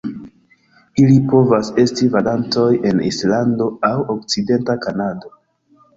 Ili povas esti vagantoj en Islando aŭ okcidenta Kanado.